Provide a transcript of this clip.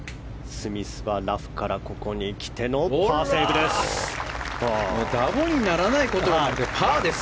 スミスは、ラフからここに来てのパーセーブです。